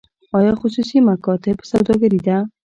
آیا خصوصي مکاتب سوداګري ده؟